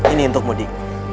ini untuk mudi